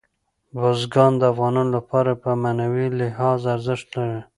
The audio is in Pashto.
بزګان د افغانانو لپاره په معنوي لحاظ ارزښت لري.